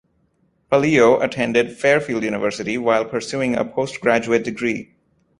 Palillo attended Fairfield University while pursuing a postgraduate degree.